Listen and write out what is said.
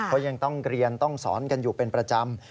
เขายังต้องเรียนต้องสอนกันอยู่เป็นประจำ